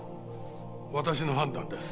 私の判断です。